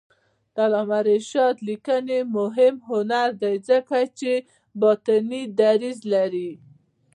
د علامه رشاد لیکنی هنر مهم دی ځکه چې باطني دریځ لري.